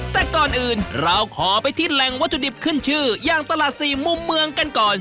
แต่ก่อนอื่นเราขอไปที่แหล่งวัตถุดิบขึ้นชื่ออย่างตลาดสี่มุมเมืองกันก่อน